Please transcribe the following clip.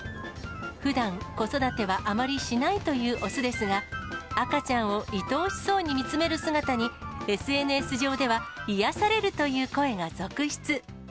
ふだん、子育てはあまりしないという雄ですが、赤ちゃんをいとおしそうに見つめる姿に、ＳＮＳ上では癒やされるという声が続出。